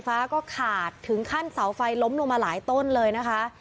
ฟ้าก็ขาดถึงขั้นเสาไฟล้มลงมาหลายต้นเลยนะคะ